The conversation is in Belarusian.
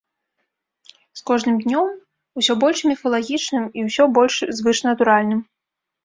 З кожным днём усё больш міфалагічным і ўсё больш звышнатуральным.